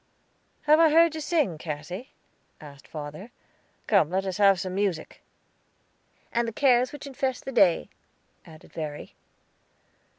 "Have I heard you sing, Cassy?" asked father. "Come, let us have some music." "'And the cares which infest the day,'" added Verry.